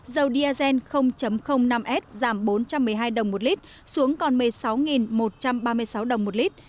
dầu diazen năm s giảm bốn trăm một mươi hai đồng một lít xuống còn một mươi sáu một trăm ba mươi sáu đồng một lít